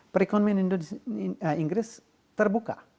perekonomian inggris terbuka